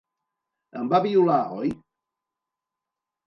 Em va violar, oi?